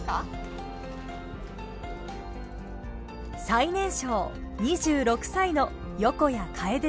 最年少２６歳の横谷楓さん。